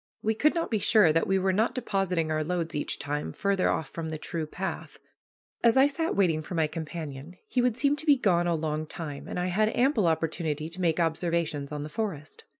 We could not be sure that we were not depositing our loads each time farther off from the true path. As I sat waiting for my companion, he would seem to be gone a long time, and I had ample opportunity to make observations on the forest.